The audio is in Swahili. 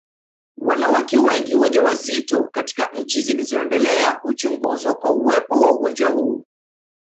Wanawake wengi wajawazito katika nchi zilizoendelea huchunguzwa kwa uwepo wa ugonjwa huu